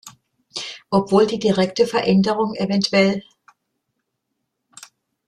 Obwohl die direkte Veränderung evtl.